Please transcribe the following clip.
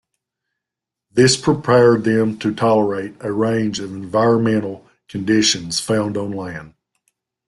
This prepared them to tolerate a range of environmental conditions found on land.